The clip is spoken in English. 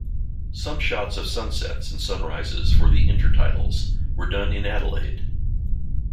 Some shots of sunsets and sunrises for the inter titles were done in Adelaide.